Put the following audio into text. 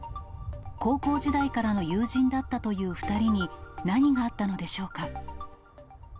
高校時代からの友人だったという２人に何があったのでしょうか。